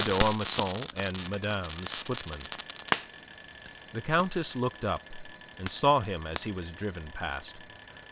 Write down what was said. d'Ormesson and madame's footman. The Countess looked up and saw him as he was driven past.